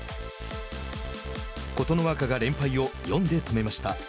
琴ノ若が連敗を４で止めました。